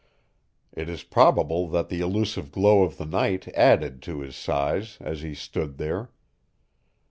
It is probable that the elusive glow of the night added to his size as he stood there.